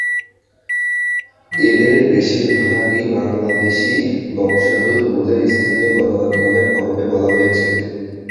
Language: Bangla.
এঁদের বেশির ভাগই বাংলাদেশি বংশোদ্ভূত বলে স্থানীয় গণমাধ্যমের খবরে বলা হয়েছে।